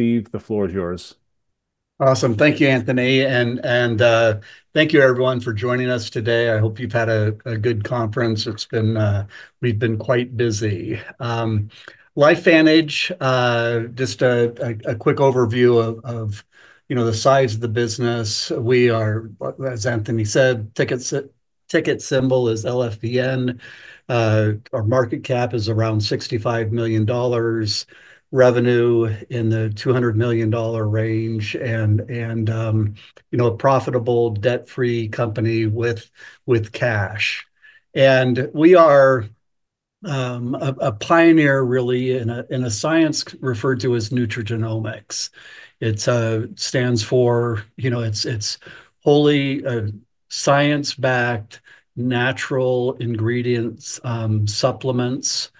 Steve, the floor is yours. Awesome. Thank you, Anthony. Thank you everyone for joining us today. I hope you've had a good conference. It's been quite busy. LifeVantage, just a quick overview of, you know, the size of the business. We are, as Anthony said, ticker symbol is LFVN. Our market cap is around $65 million. Revenue in the $200 million range and, you know, a profitable, debt-free company with cash. We are a pioneer really in a science referred to as nutrigenomics. It stands for, you know, it's wholly science-backed, natural ingredients supplements.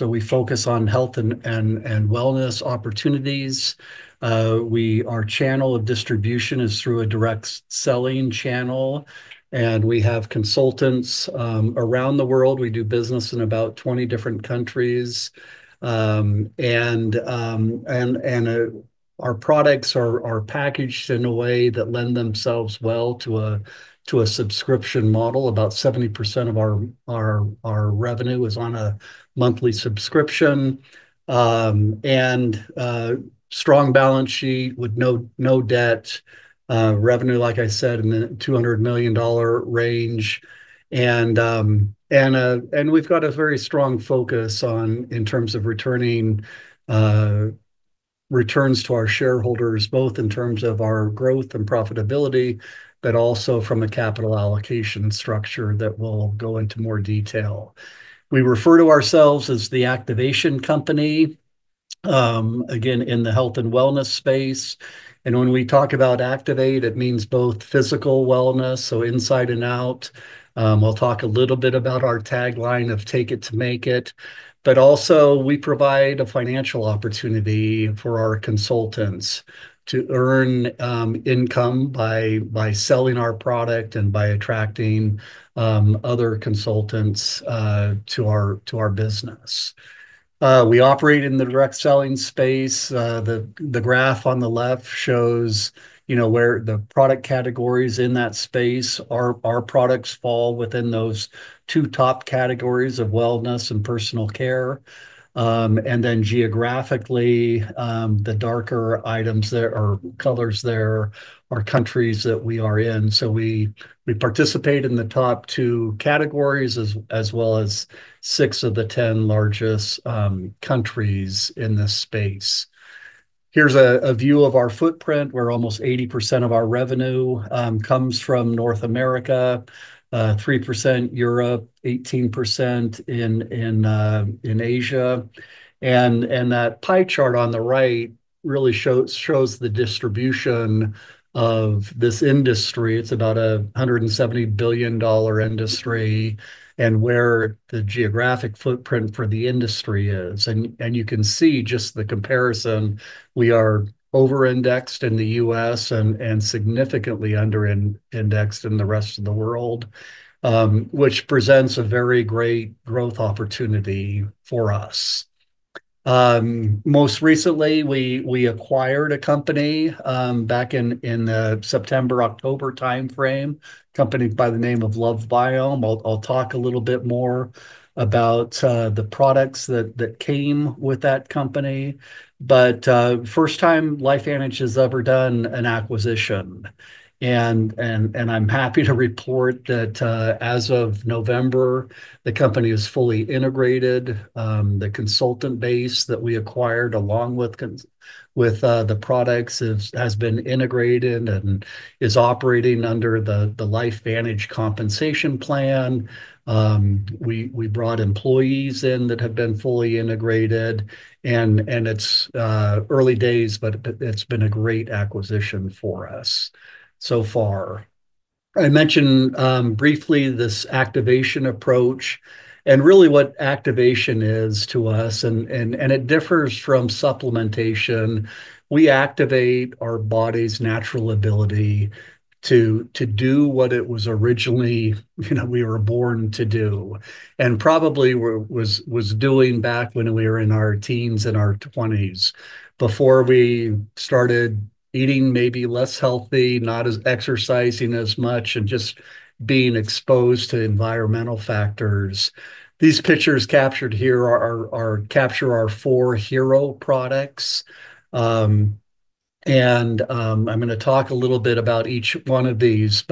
We focus on health and wellness opportunities. Our channel of distribution is through a direct selling channel, and we have consultants around the world. We do business in about 20 different countries. Our products are packaged in a way that lends themselves well to a subscription model. About 70% of our revenue is on a monthly subscription. Strong balance sheet with no debt. Revenue, like I said, in the $200 million range. We've got a very strong focus on returning value to our shareholders, both in terms of our growth and profitability, but also from a capital allocation structure that we'll go into more detail. We refer to ourselves as the activation company, again, in the health and wellness space. When we talk about activate, it means both physical wellness, so inside and out, we'll talk a little bit about our tagline of take it to make it. We provide a financial opportunity for our consultants to earn income by selling our product and by attracting other consultants to our business. We operate in the direct selling space. The graph on the left shows, you know, where the product categories in that space are. Our products fall within those two top categories of wellness and personal care. Geographically, the darker items there, or colors there, are countries that we are in. We participate in the top two categories as well as six of the ten largest countries in this space. Here's a view of our footprint, where almost 80% of our revenue comes from North America, 3% Europe, 18% in Asia. That pie chart on the right really shows the distribution of this industry. It's about a $170 billion industry, and where the geographic footprint for the industry is. You can see just the comparison. We are over-indexed in the US and significantly under-indexed in the rest of the world, which presents a very great growth opportunity for us. Most recently, we acquired a company back in the September to October timeframe, company by the name of LoveBiome. I'll talk a little bit more about the products that came with that company. First time LifeVantage has ever done an acquisition. I'm happy to report that, as of November, the company is fully integrated. The consultant base that we acquired along with the products has been integrated and is operating under the LifeVantage compensation plan. We brought employees in that have been fully integrated and it's early days, but it's been a great acquisition for us so far. I mentioned briefly this activation approach and really what activation is to us, and it differs from supplementation. We activate our body's natural ability to do what it was originally, you know, we were born to do, and probably were doing back when we were in our teens and our twenties, before we started eating maybe less healthy, not exercising as much, and just being exposed to environmental factors. These pictures capture our four hero products. I'm gonna talk a little bit about each one of these.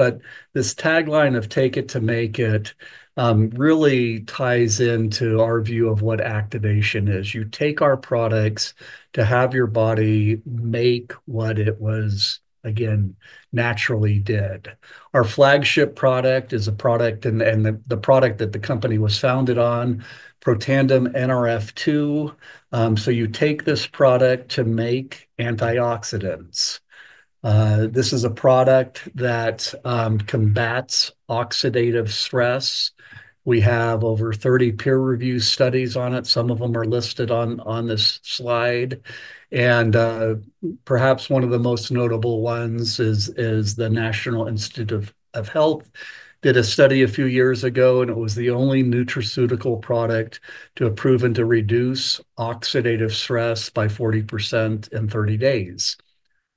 This tagline of take it to make it really ties into our view of what activation is. You take our products to have your body make what it was, again, naturally did. Our flagship product is a product and the product that the company was founded on, Protandim Nrf2. So you take this product to make antioxidants. This is a product that combats oxidative stress. We have over 30 peer-reviewed studies on it. Some of them are listed on this slide. Perhaps one of the most notable ones is the National Institutes of Health did a study a few years ago, and it was the only nutraceutical product to have proven to reduce oxidative stress by 40% in 30 days.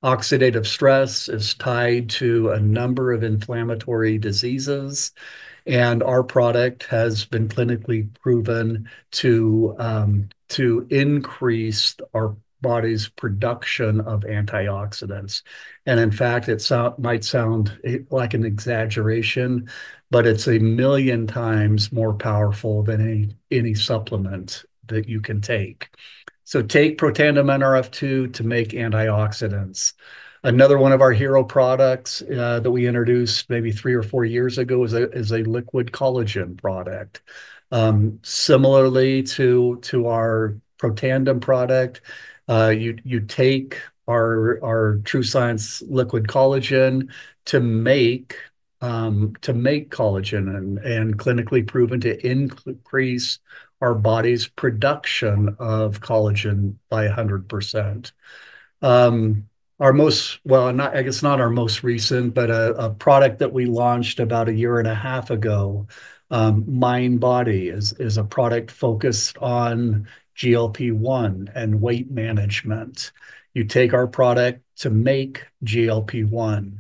Oxidative stress is tied to a number of inflammatory diseases, and our product has been clinically proven to increase our body's production of antioxidants. In fact, it might sound like an exaggeration, but it's a million times more powerful than any supplement that you can take. Take Protandim Nrf2 to make antioxidants. Another one of our hero products that we introduced maybe 3 or 4 years ago is a liquid collagen product. Similarly to our Protandim product, you'd take our TrueScience Liquid Collagen to make collagen and clinically proven to increase our body's production of collagen by 100%. Well, I guess not our most recent, but a product that we launched about a year and a half ago, MindBody is a product focused on GLP-1 and weight management. You take our product to make GLP-1.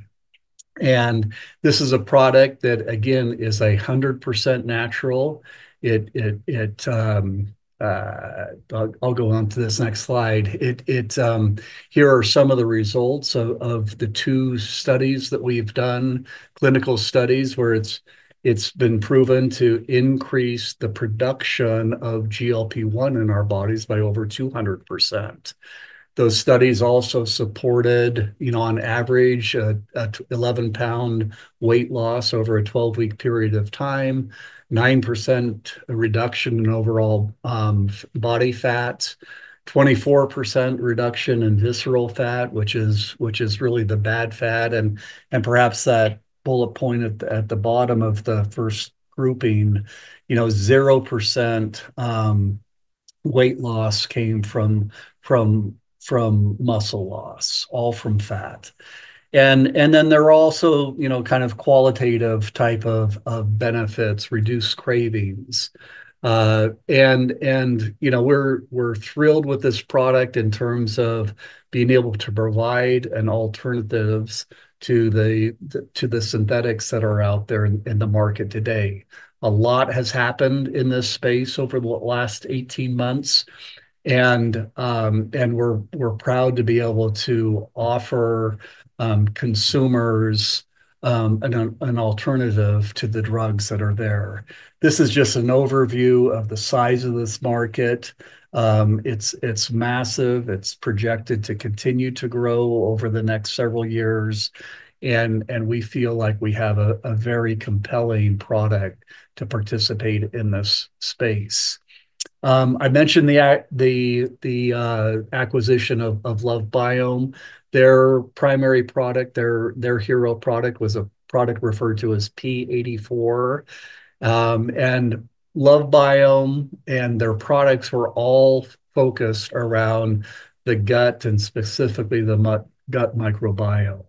This is a product that again is 100% natural. I'll go on to this next slide. Here are some of the results of the two studies that we've done, clinical studies where it's been proven to increase the production of GLP-1 in our bodies by over 200%. Those studies also supported, you know, on average, an 11-pound weight loss over a 12-week period of time, 9% reduction in overall body fat, 24% reduction in visceral fat, which is really the bad fat. Perhaps that bullet point at the bottom of the first grouping, you know, 0% weight loss came from muscle loss, all from fat. Then there are also, you know, kind of qualitative type of benefits, reduced cravings. You know, we're thrilled with this product in terms of being able to provide an alternative to the synthetics that are out there in the market today. A lot has happened in this space over the last 18 months, and we're proud to be able to offer consumers an alternative to the drugs that are there. This is just an overview of the size of this market. It's massive. It's projected to continue to grow over the next several years, and we feel like we have a very compelling product to participate in this space. I mentioned the acquisition of LoveBiome. Their primary product, their hero product was a product referred to as P84. LoveBiome and their products were all focused around the gut and specifically the gut microbiome.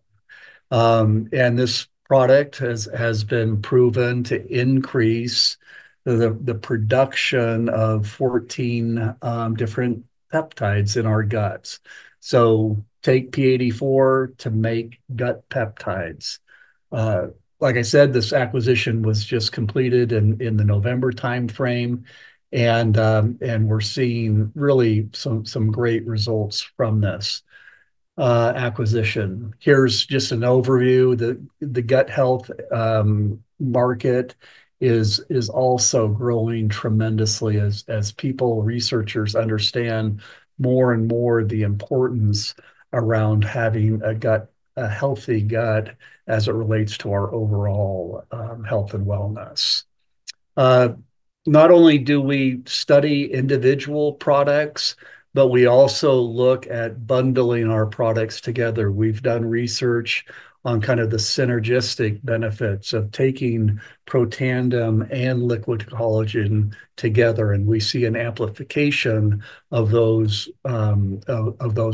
This product has been proven to increase the production of 14 different peptides in our guts. So take P84 to make gut peptides. Like I said, this acquisition was just completed in the November timeframe, and we're seeing really some great results from this acquisition. Here's just an overview. The gut health market is also growing tremendously as people, researchers understand more and more the importance around having a gut, a healthy gut as it relates to our overall health and wellness. Not only do we study individual products, but we also look at bundling our products together. We've done research on kind of the synergistic benefits of taking Protandim and liquid collagen together, and we see an amplification of those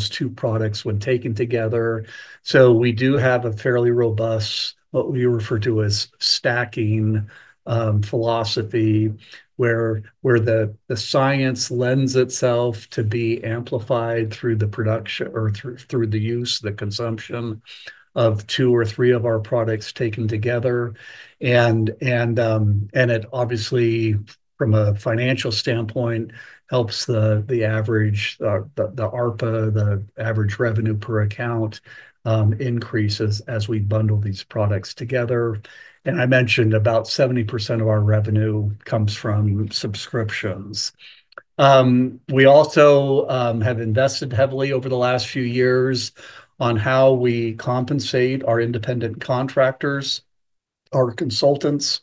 two products when taken together. We do have a fairly robust, what we refer to as stacking, philosophy, where the science lends itself to be amplified through the production or through the use, the consumption of two or three of our products taken together. it obviously, from a financial standpoint, helps the average ARPA, the average revenue per account, increases as we bundle these products together. I mentioned about 70% of our revenue comes from subscriptions. We also have invested heavily over the last few years on how we compensate our independent contractors, our consultants.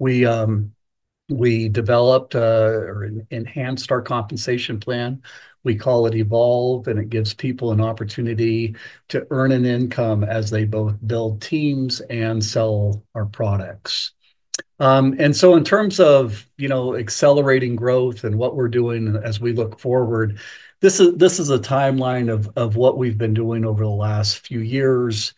We developed or enhanced our compensation plan. We call it Evolve, and it gives people an opportunity to earn an income as they both build teams and sell our products. In terms of, you know, accelerating growth and what we're doing as we look forward, this is a timeline of what we've been doing over the last few years.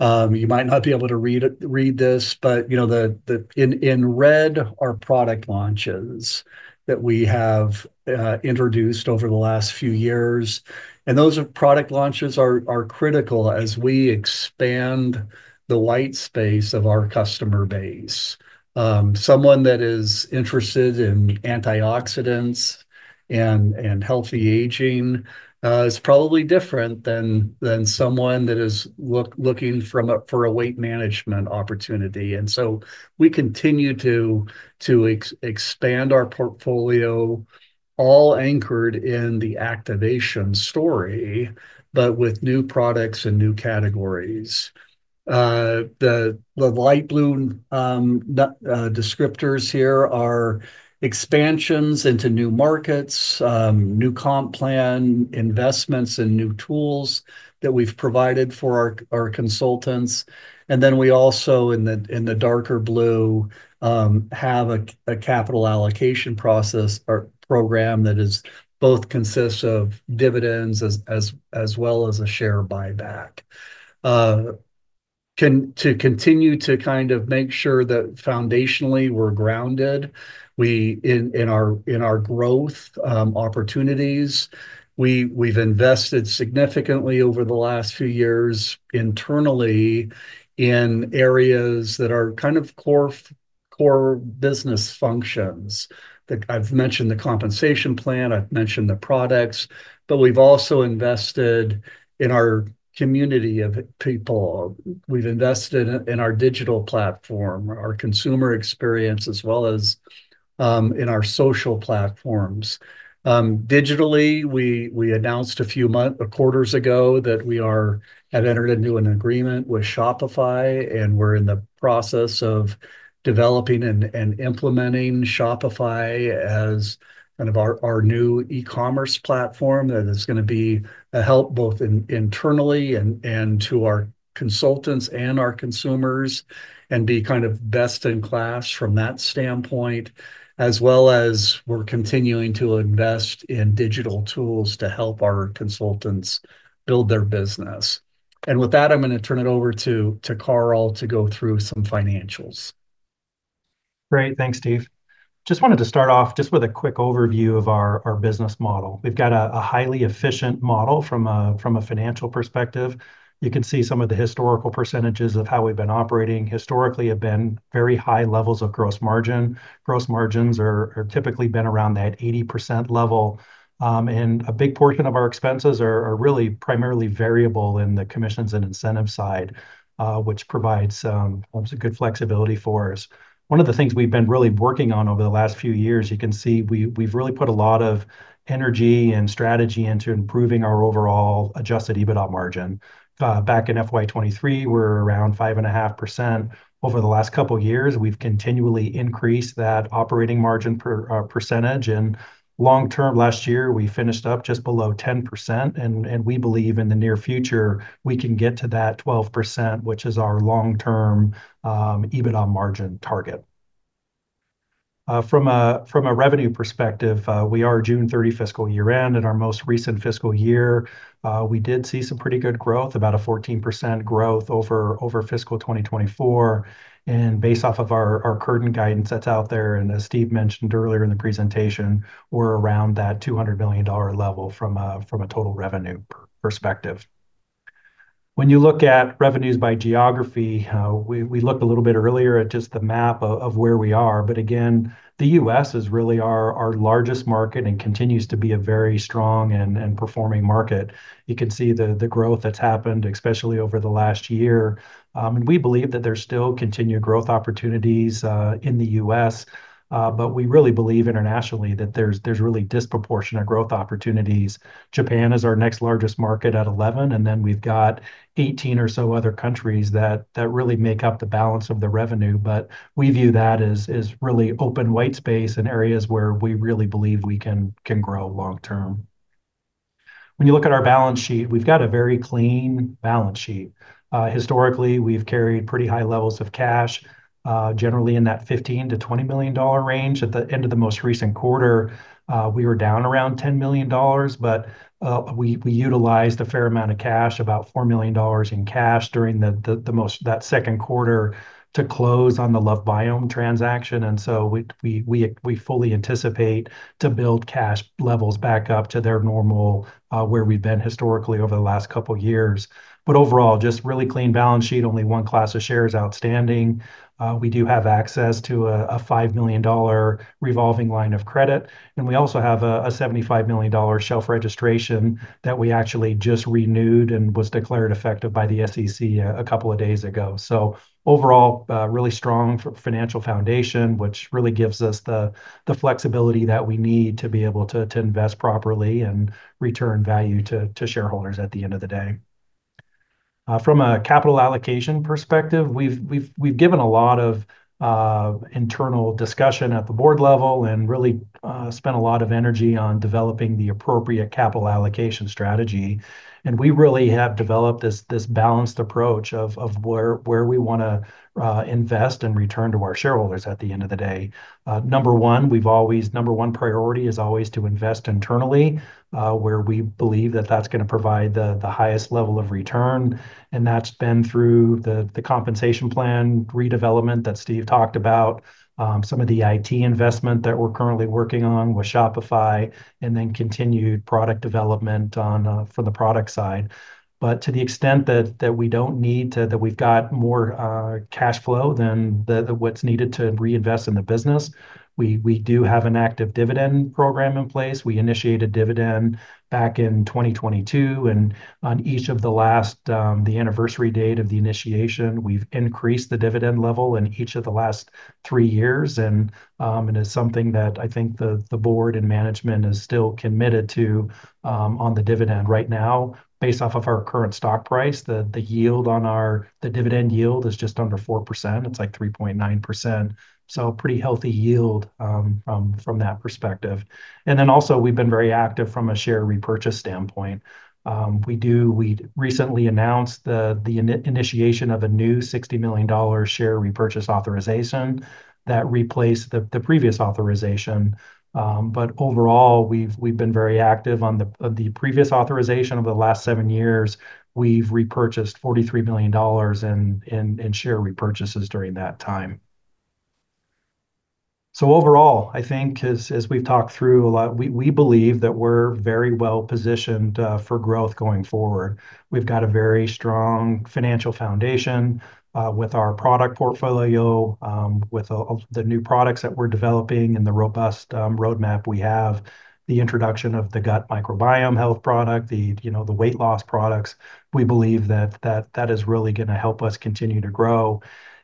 You might not be able to read this, but you know, the ones in red are product launches that we have introduced over the last few years. Those product launches are critical as we expand the white space of our customer base. Someone that is interested in antioxidants and healthy aging is probably different than someone that is looking for a weight management opportunity. We continue to expand our portfolio, all anchored in the activation story, but with new products and new categories. The light blue descriptors here are expansions into new markets, new comp plan investments and new tools that we've provided for our consultants. We also in the darker blue have a capital allocation process or program that is both consists of dividends as well as a share buyback. To continue to kind of make sure that foundationally we're grounded, we in our growth opportunities, we've invested significantly over the last few years internally in areas that are kind of core business functions. I've mentioned the compensation plan, I've mentioned the products, but we've also invested in our community of people. We've invested in our digital platform, our consumer experience, as well as in our social platforms. Digitally, we announced a few quarters ago that we have entered into an agreement with Shopify, and we're in the process of developing and implementing Shopify as kind of our new e-commerce platform that is going to help both internally and to our consultants and our consumers, and be kind of best in class from that standpoint. As well as we're continuing to invest in digital tools to help our consultants build their business. With that, I'm gonna turn it over to Carl to go through some financials. Great. Thanks, Steve. Just wanted to start off just with a quick overview of our business model. We've got a highly efficient model from a financial perspective. You can see some of the historical percentages of how we've been operating historically have been very high levels of gross margin. Gross margins are typically been around that 80% level, and a big portion of our expenses are really primarily variable in the commissions and incentive side, which provides obviously good flexibility for us. One of the things we've been really working on over the last few years, you can see we've really put a lot of energy and strategy into improving our overall adjusted EBITDA margin. Back in FY 2023, we're around 5.5%. Over the last couple of years, we've continually increased that operating margin per percentage. Long-term, last year, we finished up just below 10%, and we believe in the near future, we can get to that 12%, which is our long-term EBITDA margin target. From a revenue perspective, we are a June 30 fiscal year-end. In our most recent fiscal year, we did see some pretty good growth, about a 14% growth over fiscal 2024. Based off of our current guidance that's out there, and as Steve mentioned earlier in the presentation, we're around that $200 million level from a total revenue perspective. When you look at revenues by geography, we looked a little bit earlier at just the map of where we are. The U.S. is really our largest market and continues to be a very strong and performing market. You can see the growth that's happened, especially over the last year. We believe that there's still continued growth opportunities in the U.S., but we really believe internationally that there's really disproportionate growth opportunities. Japan is our next largest market at 11%, and then we've got 18 or so other countries that really make up the balance of the revenue. We view that as really open white space and areas where we really believe we can grow long term. When you look at our balance sheet, we've got a very clean balance sheet. Historically, we've carried pretty high levels of cash, generally in that $15-$20 million range. At the end of the most recent quarter, we were down around $10 million, but we utilized a fair amount of cash, about $4 million in cash during that second quarter to close on the LoveBiome transaction. We fully anticipate to build cash levels back up to their normal, where we've been historically over the last couple of years. Overall, just really clean balance sheet, only one class of shares outstanding. We do have access to a $5 million revolving line of credit, and we also have a $75 million shelf registration that we actually just renewed and was declared effective by the SEC a couple of days ago. Overall, really strong financial foundation, which really gives us the flexibility that we need to be able to invest properly and return value to shareholders at the end of the day. From a capital allocation perspective, we've given a lot of internal discussion at the board level and really spent a lot of energy on developing the appropriate capital allocation strategy. We really have developed this balanced approach of where we wanna invest and return to our shareholders at the end of the day. Number one priority is always to invest internally, where we believe that that's gonna provide the highest level of return, and that's been through the compensation plan redevelopment that Steve talked about, some of the IT investment that we're currently working on with Shopify, and then continued product development on from the product side. To the extent that we don't need to, that we've got more cash flow than what's needed to reinvest in the business, we do have an active dividend program in place. We initiated dividend back in 2022, and on each of the last the anniversary date of the initiation, we've increased the dividend level in each of the last three years. It is something that I think the board and management is still committed to on the dividend right now based off of our current stock price. The dividend yield is just under 4%. It's like 3.9%, so pretty healthy yield from that perspective. Then also we've been very active from a share repurchase standpoint. We recently announced the initiation of a new $60 million share repurchase authorization that replaced the previous authorization. Overall, we've been very active on the previous authorization over the last seven years. We've repurchased $43 million in share repurchases during that time. Overall, I think as we've talked through a lot, we believe that we're very well positioned for growth going forward. We've got a very strong financial foundation with our product portfolio, with all the new products that we're developing and the robust roadmap we have. The introduction of the gut microbiome health product, you know, the weight loss products, we believe that is really gonna help us continue to grow.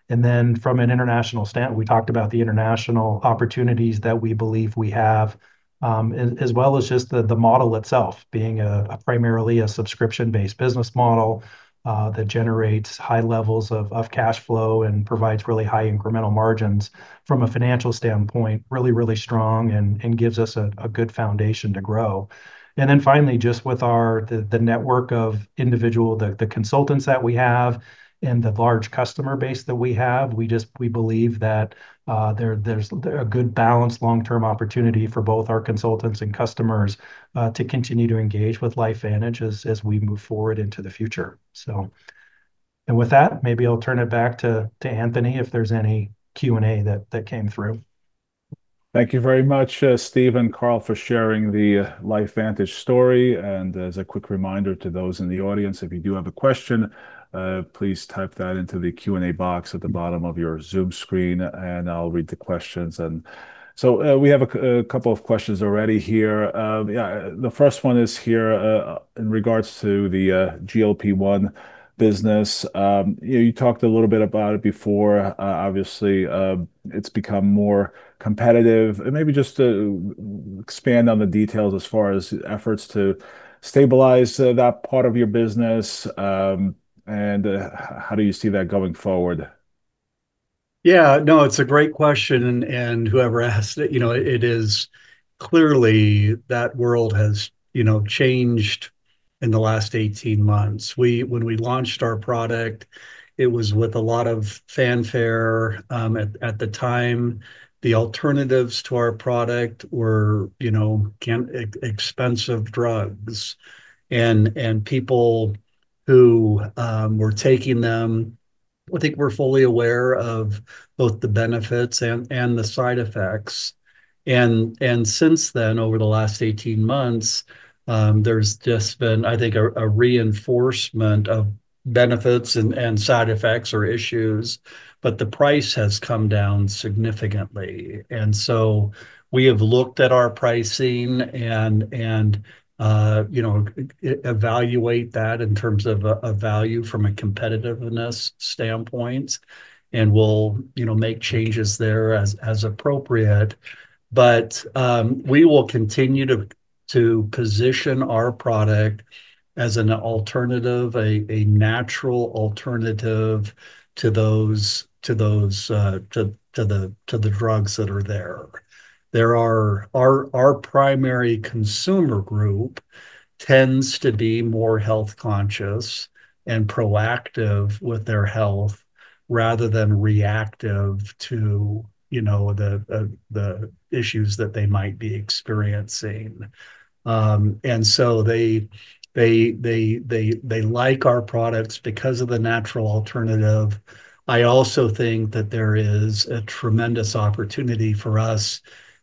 From an international standpoint we talked about the international opportunities that we believe we have, as well as just the model itself being primarily a subscription-based business model that generates high levels of cash flow and provides really high incremental margins from a financial standpoint, really strong and gives us a good foundation to grow. Then finally, just with our network of individual consultants that we have and the large customer base that we have, we believe that there's a good balanced long-term opportunity for both our consultants and customers to continue to engage with LifeVantage as we move forward into the future. With that, maybe I'll turn it back to Anthony if there's any Q&A that came through. Thank you very much, Steve and Carl, for sharing the LifeVantage story. As a quick reminder to those in the audience, if you do have a question, please type that into the Q&A box at the bottom of your Zoom screen, and I'll read the questions. We have a couple of questions already here. The first one is here, in regards to the GLP-1 business. You talked a little bit about it before. Obviously, it's become more competitive. Maybe just to expand on the details as far as efforts to stabilize that part of your business, and how do you see that going forward? Yeah. No, it's a great question, and whoever asked it, you know, it is clearly that world has, you know, changed in the last 18 months. When we launched our product, it was with a lot of fanfare. At the time, the alternatives to our product were, you know, expensive drugs. People who were taking them, I think were fully aware of both the benefits and the side effects. Since then, over the last 18 months, there's just been, I think, a reinforcement of benefits and side effects or issues, but the price has come down significantly. We have looked at our pricing and, you know, evaluate that in terms of value from a competitiveness standpoint. We'll, you know, make changes there as appropriate. We will continue to position our product as an alternative, a natural alternative to those drugs that are there. Our primary consumer group tends to be more health-conscious and proactive with their health rather than reactive to, you know, the issues that they might be experiencing. They like our products because of the natural alternative. I also think that there is a tremendous opportunity for us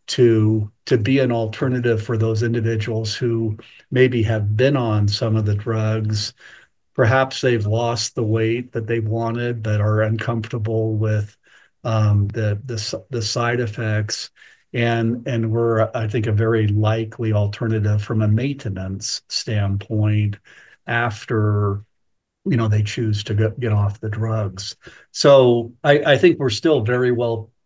to be an alternative for those individuals who maybe have been on some of the drugs. Perhaps they've lost the weight that they wanted but are uncomfortable with the side effects and we're, I think, a very likely alternative from a maintenance standpoint after, you know, they choose to get off the drugs. I think we're still very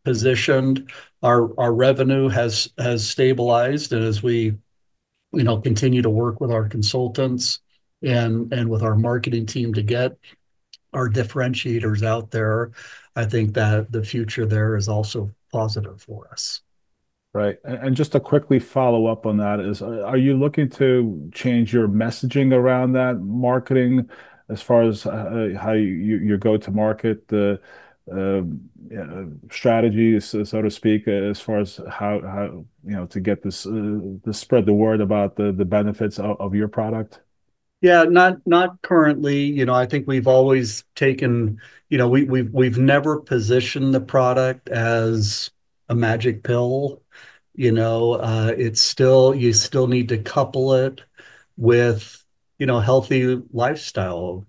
well-positioned. Our revenue has stabilized, and as we- You know, continue to work with our consultants and with our marketing team to get our differentiators out there. I think that the future there is also positive for us. Right. Just to quickly follow up on that, are you looking to change your messaging around that marketing as far as how your go-to market strategy, so to speak, as far as how you know to get this to spread the word about the benefits of your product? Yeah, not currently. You know, I think we've always taken. You know, we've never positioned the product as a magic pill, you know? It's still, you still need to couple it with, you know, healthy lifestyle,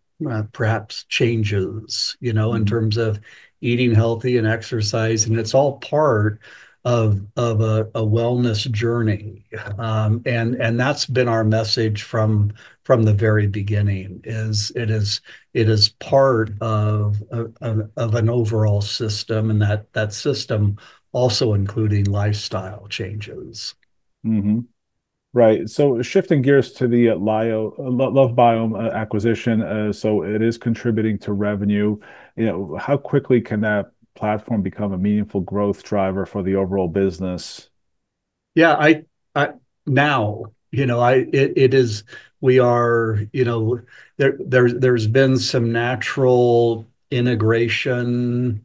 perhaps changes, you know. Mm-hmm in terms of eating healthy and exercise, and it's all part of a wellness journey. That's been our message from the very beginning. It is part of an overall system, and that system also including lifestyle changes. Mm-hmm. Right. Shifting gears to the LoveBiome acquisition, so it is contributing to revenue. You know, how quickly can that platform become a meaningful growth driver for the overall business? We are, you know. There's been some natural integration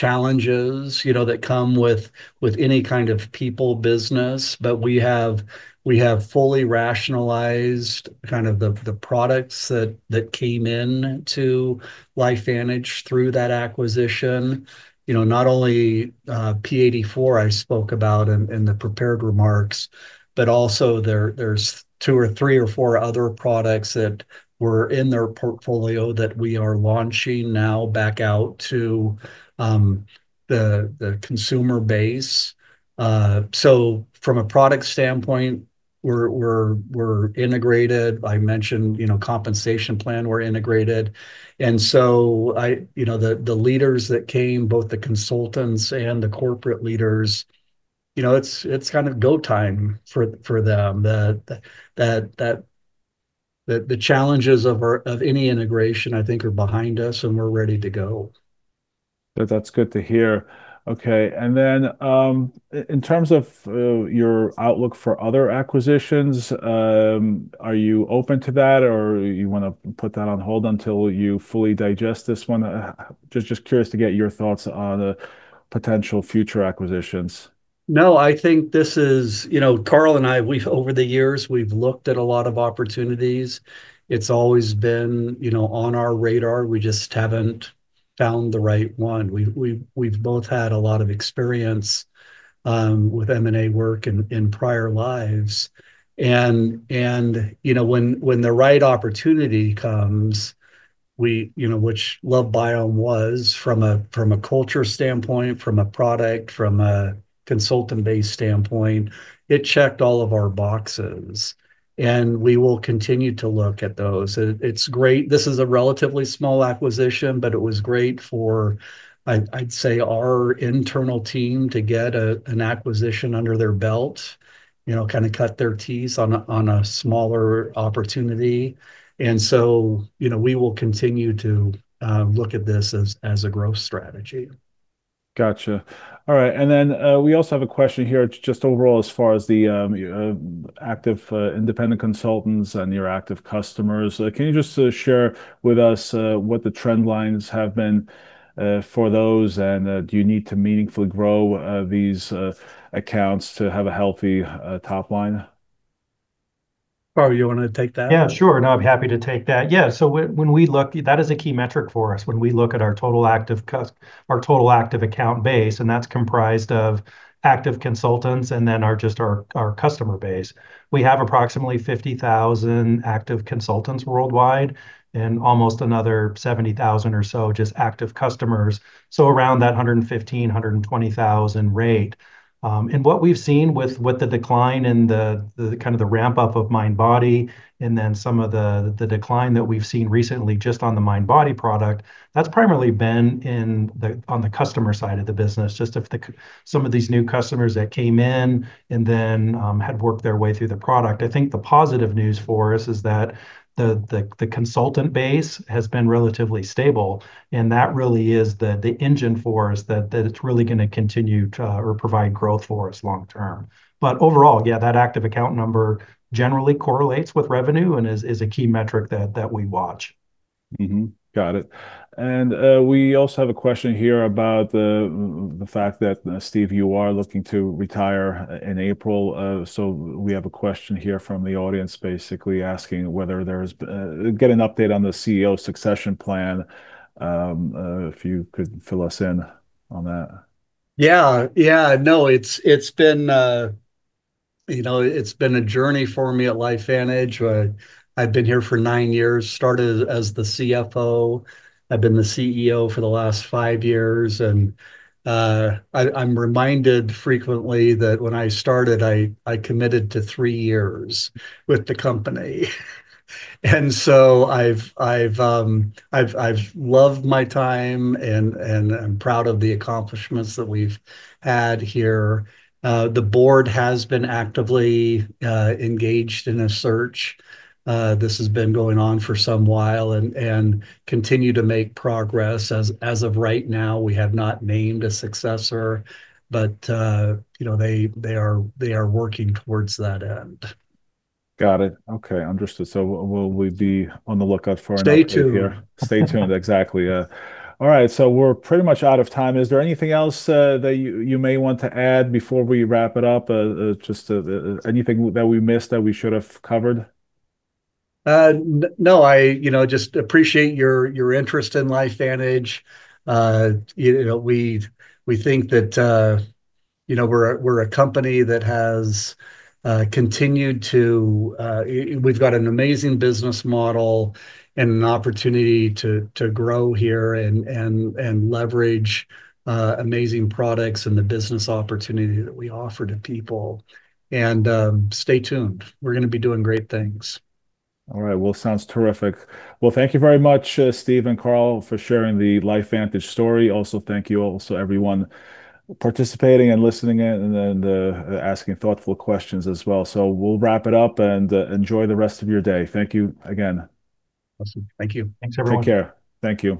challenges, you know, that come with any kind of people business. We have fully rationalized the products that came in to LifeVantage through that acquisition. You know, not only P84 I spoke about in the prepared remarks, but also there's two or three or four other products that were in their portfolio that we are launching now back out to the consumer base. From a product standpoint, we're integrated. I mentioned, you know, compensation plan, we're integrated. You know, the leaders that came, both the consultants and the corporate leaders, you know, it's kind of go time for them. The challenges of any integration I think are behind us, and we're ready to go. That, that's good to hear. Okay. In terms of your outlook for other acquisitions, are you open to that, or you wanna put that on hold until you fully digest this one? Just curious to get your thoughts on potential future acquisitions. No, I think this is. You know, Carl and I, we've over the years looked at a lot of opportunities. It's always been, you know, on our radar. We just haven't found the right one. We've both had a lot of experience with M&A work in prior lives, and you know, when the right opportunity comes, you know which LoveBiome was from a culture standpoint, from a product, from a consultant-based standpoint, it checked all of our boxes, and we will continue to look at those. It's great. This is a relatively small acquisition, but it was great for, I'd say, our internal team to get an acquisition under their belt, you know, kinda cut their teeth on a smaller opportunity. you know, we will continue to look at this as a growth strategy. Gotcha. All right. We also have a question here just overall as far as the active independent consultants and your active customers. Can you just share with us what the trend lines have been for those, and do you need to meaningfully grow these accounts to have a healthy top line? Carl, you wanna take that? Yeah, sure. No, I'm happy to take that. Yeah, so when we look. That is a key metric for us when we look at our total active account base, and that's comprised of active consultants and then just our customer base. We have approximately 50,000 active consultants worldwide and almost another 70,000 or so just active customers, so around that 115,000, 120,000 rate. What we've seen with the decline and the kind of ramp-up of MindBody and then some of the decline that we've seen recently just on the MindBody product, that's primarily been on the customer side of the business, just some of these new customers that came in and then had worked their way through the product. I think the positive news for us is that the consultant base has been relatively stable, and that really is the engine for us that it's really gonna continue to provide growth for us long term. Overall, yeah, that active account number generally correlates with revenue and is a key metric that we watch. Mm-hmm. Got it. We also have a question here about the fact that, Steve, you are looking to retire in April, so we have a question here from the audience basically asking whether we can get an update on the CEO succession plan, if you could fill us in on that. Yeah. Yeah, no, it's been a journey for me at LifeVantage, you know. I've been here for nine years, started as the CFO. I've been the CEO for the last five years, and I'm reminded frequently that when I started, I committed to three years with the company. I've loved my time, and I'm proud of the accomplishments that we've had here. The board has been actively engaged in a search. This has been going on for some while, and continue to make progress. As of right now, we have not named a successor, but you know, they are working towards that end. Got it. Okay. Understood. Will we be on the lookout for an update here? Stay tuned. Stay tuned, exactly. All right. We're pretty much out of time. Is there anything else that you may want to add before we wrap it up? Just anything that we missed that we should have covered? No. I you know just appreciate your interest in LifeVantage. You know we think that you know we're a company that has continued to we've got an amazing business model and an opportunity to grow here and leverage amazing products and the business opportunity that we offer to people. Stay tuned. We're gonna be doing great things. All right. Well, sounds terrific. Well, thank you very much, Steve and Carl, for sharing the LifeVantage story. Also thank you also everyone participating and listening in, and asking thoughtful questions as well. We'll wrap it up, and, enjoy the rest of your day. Thank you again. Awesome. Thank you. Thanks everyone. Take care. Thank you.